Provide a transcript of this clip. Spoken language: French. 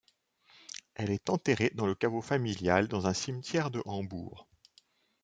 Elle est enterrée dans le caveau familial dans un cimetière de Hambourg.